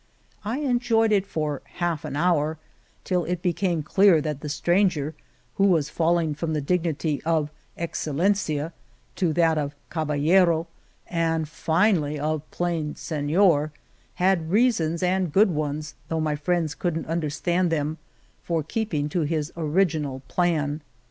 I enjoyed it for a half hour, till it became clear that the stranger, who was fall ing from the dignity of Excellencia to that of Caballero, and finally of plain Senor, had reasons, and good ones, though my friends couldn't understand them, for keeping to his original plan.